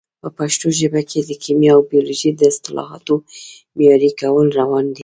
په پښتو ژبه کې د کیمیا او بیولوژي د اصطلاحاتو معیاري کول روان دي.